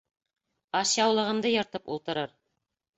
Ашъяулығымды йыртып ултырыр.